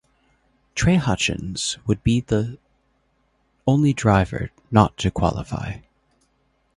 Trey Hutchens would be the only driver not to qualify.